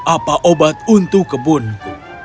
apa obat untuk kebunku